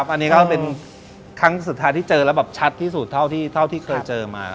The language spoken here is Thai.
อันนี้ก็เป็นครั้งสุดท้ายที่เจอแล้วแบบชัดที่สุดเท่าที่เคยเจอมา